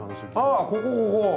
ああここここ！